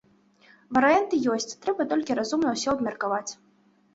Варыянты ёсць, трэба толькі разумна ўсё абмеркаваць.